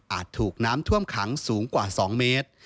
ถูกน้ำท่วมขังสูงกว่า๒เมตร